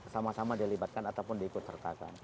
sama sama dilibatkan ataupun diikut sertakan